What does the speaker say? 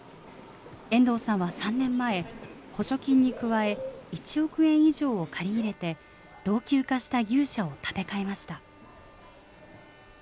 遠藤さんは３年前、補助金に加え、１億円以上を借り入れて、老朽化した牛舎を建て替えました。